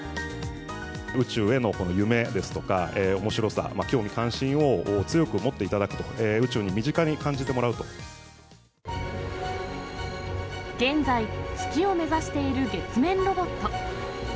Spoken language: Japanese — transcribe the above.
宇宙への夢ですとか、おもしろさ、興味関心を強く持っていただくと、現在、月を目指している月面ロボット。